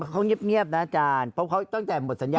เขาเงียบนะจานเพราะเขาต้องแจ่งหมดสัญญาณ